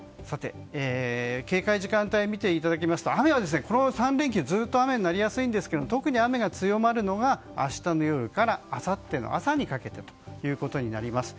警戒時間帯を見ていただきますとこの３連休ずっと雨になりやすいですが特に雨が強まるのが明日の夜からあさっての朝にかけてとなります。